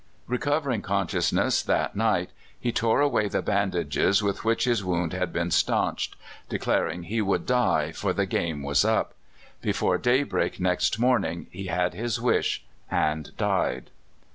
Recovering consciousness that night, he tore away the bandages with which his wound had been stanched, declaring he would die, for " the game was up." Before daybreak next morning he had his wish, and died.